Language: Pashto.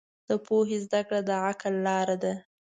د پوهې زده کړه د عقل لاره ده.